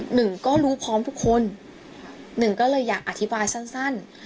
หนึ่งก็รู้พร้อมทุกคนหนึ่งก็เลยอยากอธิบายสั้นสั้น